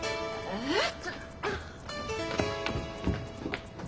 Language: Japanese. えっ！？